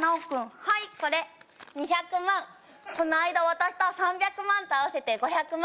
ナオ君はいこれ２００万こないだ渡した３００万と合わせて５００万